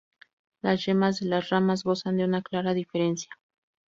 Las yemas de las ramas gozan de una clara diferenciación.